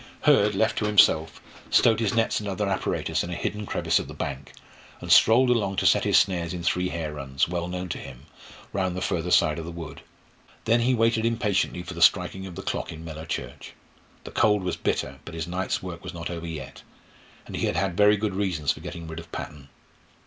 Hurd, left to himself, stowed his nets and other apparatus in a hidden crevice of the bank, and strolled along to set his snares in three hare runs, well known to him, round the further side of the wood. Then he waited impatiently for the striking of the clock in Mellor church. The cold was bitter, but his night's work was not over yet, and he had had very good reasons for getting rid of Patton.